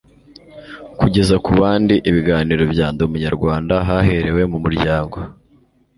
kugeza ku bandi ibiganiro bya ndi umunyarwanda haherewe mu muryango